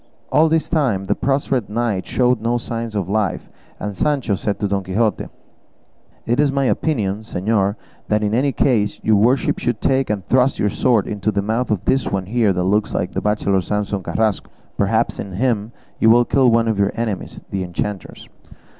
All this time the prostrate knight showed no signs of life, and Sancho said to Don Quixote, "It is my opinion, señor, that in any case your worship should take and thrust your sword into the mouth of this one here that looks like the bachelor Samson Carrasco; perhaps in him you will kill one of your enemies, the enchanters."